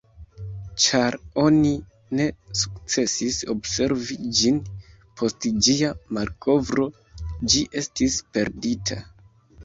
Ĉar oni ne sukcesis observi ĝin post ĝia malkovro, ĝi estis perdita.